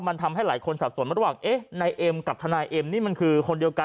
มันทำให้หลายคนสับสนระหว่างเอ๊ะนายเอ็มกับทนายเอ็มนี่มันคือคนเดียวกัน